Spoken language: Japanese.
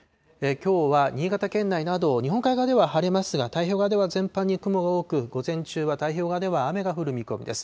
きょうは新潟県内など、日本海側では晴れますが、太平洋側では全般に雲が多く、午前中は太平洋側では雨が降る見込みです。